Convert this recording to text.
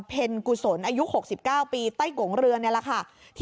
กุศลอายุ๖๙ปีใต้โกงเรือนี่แหละค่ะ